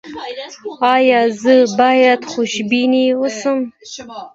ایا زه باید خوشبین اوسم؟